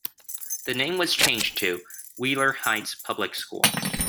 The name was changed to Wheeler Heights Public School.